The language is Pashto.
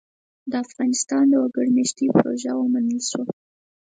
د افغانستان د وګړ مېشتۍ پروژه ومنل شوه.